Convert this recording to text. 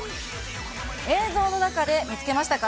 映像の中で見つけましたか？